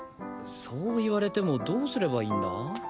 そう言われてもどうすればいいんだ？